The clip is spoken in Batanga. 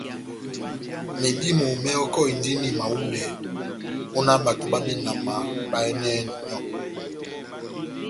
Medímo mehɔkɔhindini mahulɛ ó nah bato bá benama bayɛ́nɛni myɔ́.